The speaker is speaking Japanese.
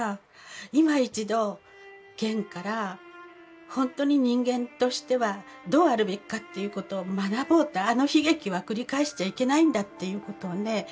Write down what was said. いま一度『ゲン』から本当に人間としてはどうあるべきかっていうことを学ぼうとあの悲劇は繰り返しちゃいけないんだっていうことをね